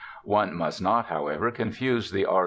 One must not, however, confuse the R.